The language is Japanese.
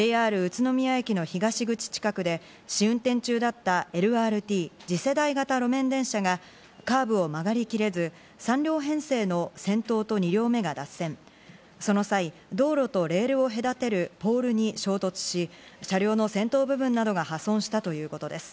宇都宮市によりますと今日午前０時半頃、ＪＲ宇都宮駅の東口近くで、試運転中だったＬＲＴ＝次世代型路面電車がカーブを曲がりきれず、３両編成の先頭と２両目が脱線し、この際、道路とレールを隔てるポールに衝突し、車両の先頭部分などが破損したということです。